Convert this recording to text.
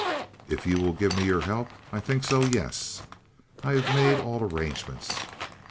"If you will give me your help, I think so, yes. I have made all arrangements.